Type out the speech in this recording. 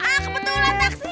ah kebetulan taksi